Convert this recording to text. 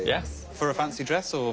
そう。